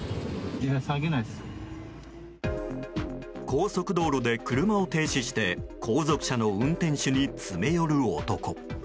高速道路で車を停止して後続車の運転手に詰め寄る男。